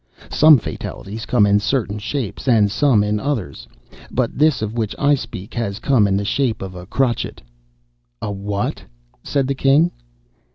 Some fatalities come in certain shapes, and some in others—but this of which I speak has come in the shape of a crotchet.'" "A what?" said the king.